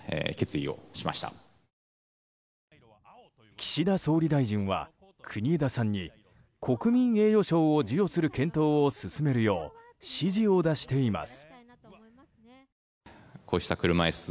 岸田総理大臣は国枝さんに国民栄誉賞を授与する検討を進めるよう指示を出しています。